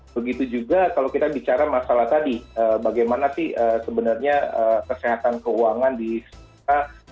begitu juga kalau kita bicara masalah tadi bagaimana sih sebenarnya kesehatan keuangan di sana